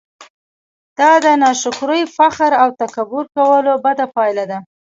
دا د ناشکرۍ، فخر او تکبير کولو بده پايله ده!